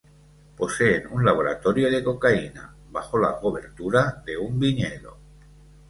Poseen un laboratorio de cocaína bajo la cobertura de un viñedo.